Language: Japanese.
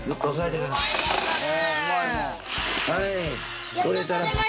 はい。